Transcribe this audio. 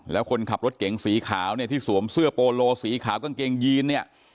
แล้วคนขับรถเก๋งสีขาวเนี่ยที่สวมเสื้อโปโลสีขาวกางเกงยีนเนี่ย